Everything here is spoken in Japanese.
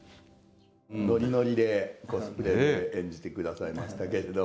ノリノリでコスプレで演じて下さいましたけれども。